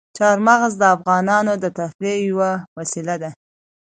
چار مغز د افغانانو د تفریح یوه وسیله ده.